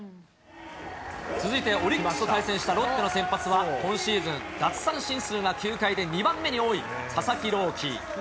続いてオリックスと対戦したロッテの先発は、今シーズン、奪三振数が球界で２番目に多い佐々木朗希。